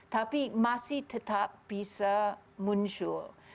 tapi masih tetap bisa muncul